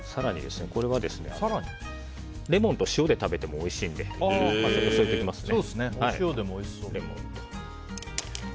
更に、レモンと塩で食べてもおいしいので添えておきますね。